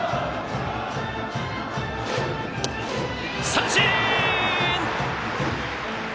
三振！